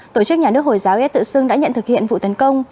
tổ chức nhà nước hồi giáo e tự xưng đã nhận thực hiện vụ tấn công